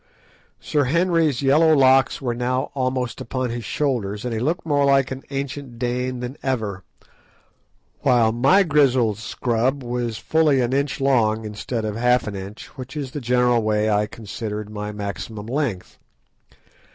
Sir Henry's yellow locks were now almost upon his shoulders, and he looked more like an ancient Dane than ever, while my grizzled scrub was fully an inch long, instead of half an inch, which in a general way I considered my maximum length.